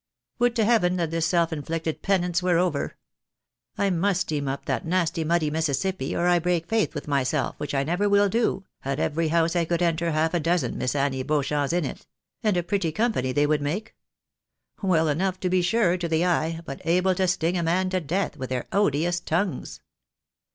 Would to heaven that this self inflicted penance were over! I must steam up that nasty muddy Mississippi, or I break faith with my self, which I never will do, had every house I could enter half a dozen Miss Annie Beauchamps in it — and a pretty company they would make !— well enough, to be sure, to the eye, but able to sting a man to death with their odious tongues